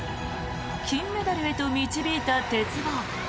金メダルへと導いた鉄棒。